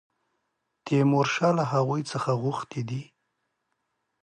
تیمورشاه له هغوی څخه غوښتي دي.